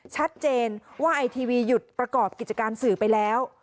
ชัดเจนว่าไอทีวีหยุดประกอบกิจการสื่อไปแล้ว